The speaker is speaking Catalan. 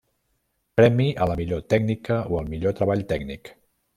Premi a la millor tècnica o al millor treball tècnic.